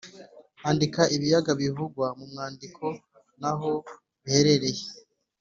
andika ibiyaga bivugwa mu mwandiko n’aho biherereye.